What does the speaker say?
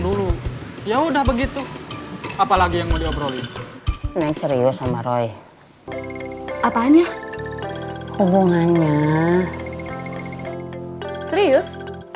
dulu ya udah begitu apalagi yang mau diobrolin yang serius sama roy apanya hubungannya serius